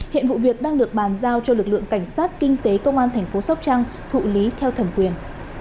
hiện vụ việc đang được bàn giao cho lực lượng cảnh sát kinh tế công an thành phố sóc trăng thụ lý theo thẩm quyền